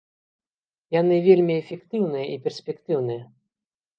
Яны вельмі эфектыўныя і перспектыўныя.